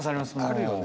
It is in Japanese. あるよね。